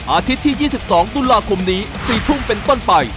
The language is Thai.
อาทิตย์ที่๒๒ตุลาคมนี้๔ทุ่มเป็นต้นไป